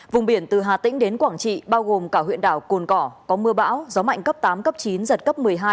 vùng biển từ hà tĩnh đến quảng trị bao gồm cả huyện đảo cồn cỏ có mưa bão gió mạnh cấp tám cấp chín giật cấp một mươi hai